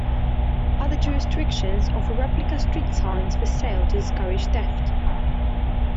Other jurisdictions offer replica street signs for sale to discourage theft.